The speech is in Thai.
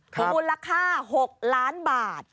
คุณราคา๖ล้านบาท